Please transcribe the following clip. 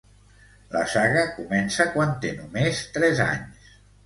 La saga comença quan té només tres anys.